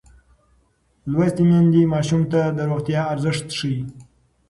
لوستې میندې ماشوم ته د روغتیا ارزښت ښيي.